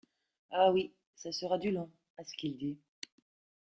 Ah oui, ce sera du long, à ce qu'il dit.